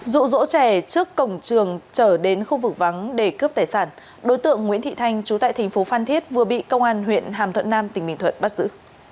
rụ rỗ trẻ trước cổng trường trở đến khu vực vắng để cướp tài sản đối tượng nguyễn thị thanh chú tại thành phố phan thiết vừa bị công an huyện hàm thuận nam tỉnh bình thuận bắt giữ